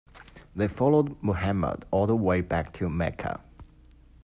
They followed Muhammad all the way back to Mecca.